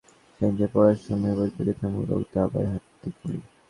সেই আলোয় আলোকিত হয়ে পঞ্চম শ্রেণিতে পড়ার সময়ই প্রতিযোগিতামূলক দাবায় হাতেখড়ি।